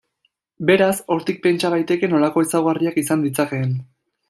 Beraz, hortik pentsa daiteke nolako ezaugarriak izan ditzakeen.